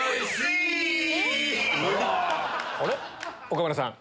岡村さん